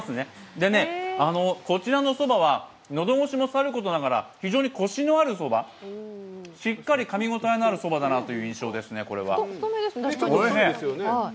でね、こちらのそばは喉越しもさることながら非常にこしのあるそば、しっかりかみ応えのある、そばだなという印象です。